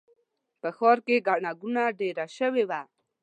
په ښار کې ګڼه ګوڼه ډېره شوې وه.